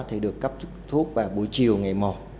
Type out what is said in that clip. thì được cấp thuốc vào buổi chiều ngày một